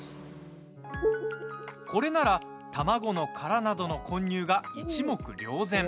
これなら、卵の殻などの混入が一目瞭然。